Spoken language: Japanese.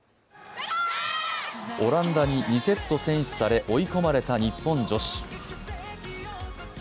オランダに２セット先取され追い込まれた日本女子。